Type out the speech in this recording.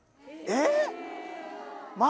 えっ！？